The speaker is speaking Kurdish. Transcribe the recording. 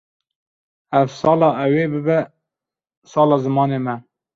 Ev sala ew ê bibe sala zimanê me.